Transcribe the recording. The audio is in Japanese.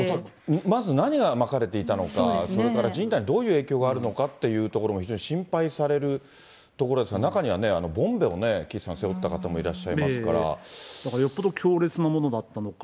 まず何がまかれていたのか、それから人体にどういう影響があるのかということも非常に心配されるところですが、中には、ボンベをね、岸さん背負った方もいらなんかよっぽど強烈なものだったのか。